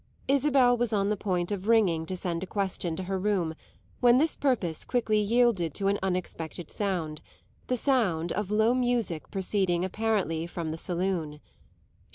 Isabel was on the point of ringing to send a question to her room, when this purpose quickly yielded to an unexpected sound the sound of low music proceeding apparently from the saloon.